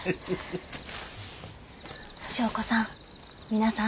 祥子さん皆さん